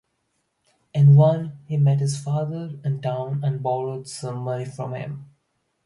In one, he met his father in town and borrowed some money from him.